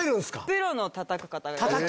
プロの叩く方が。